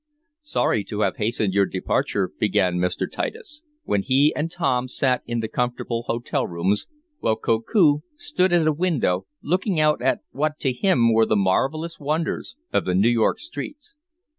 "Sorry to have hastened your departure," began Mr. Titus when he and Tom sat in the comfortable hotel rooms, while Koku stood at a window, looking out at what to him were the marvelous wonders of the New York streets.